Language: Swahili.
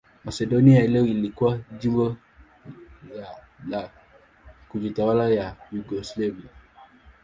Masedonia ya leo ilikuwa jimbo la kujitawala la Yugoslavia.